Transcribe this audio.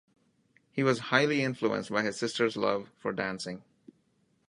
He was highly influenced by his sister's love for dancing.